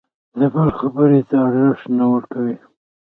د بل خبرې ته ارزښت نه ورکوي.